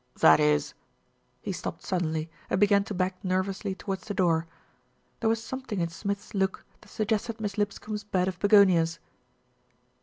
"That is " He stopped suddenly, and began to back nervously towards the door. There was some thing in Smith's look that suggested Miss Lipscombe's bed of begonias.